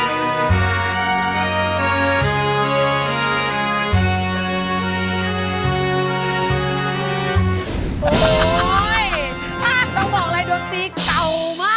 โอ๊ยต้องบอกอะไรโดตตีเก่ามาก